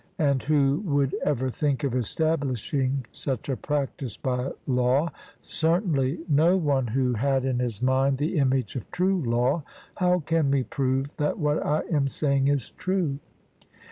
And who would ever think of establishing such a practice by law? certainly no one who had in his mind the image of true law. How can we prove that what I am saying is true?